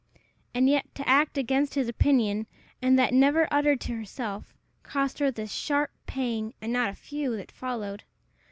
and yet to act against his opinion, and that never uttered to herself, cost her this sharp pang, and not a few that followed!